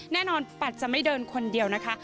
แน่นอนปัดจะไม่เดินคนเดียวนะคะ